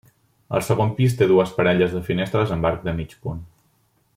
El segon pis té dues parelles de finestres amb arc de mig punt.